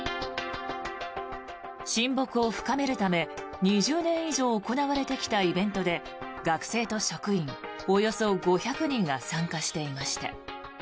親睦を深めるため２０年以上行われてきたイベントで学生と職員およそ５００人が参加していました。